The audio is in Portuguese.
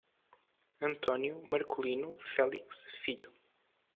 Antônio Marculino Felix Filho